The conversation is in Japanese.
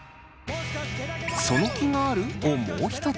「その気がある？」をもう一つ。